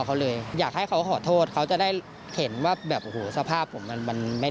เขาเลยอยากให้เขาขอโทษเขาจะได้เห็นว่าแบบโอ้โหสภาพผมมันไม่